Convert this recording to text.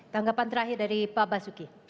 tanggapan terakhir dari pak basuki